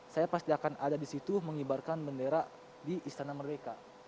saya pasti akan ada di situ mengibarkan bendera di istana merdeka